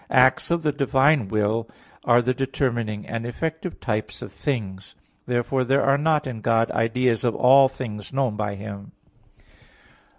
v): "Acts of the divine will are the determining and effective types of things." Therefore there are not in God ideas of all things known by Him.